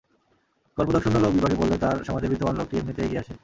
কপর্দকশূন্য লোক বিপাকে পড়লে তার সমাজের বিত্তবান লোকটি এমনিতেই এগিয়ে আসে।